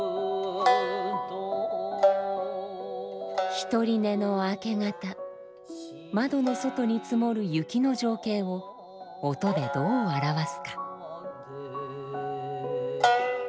独り寝の明け方窓の外に積もる雪の情景を音でどう表すか。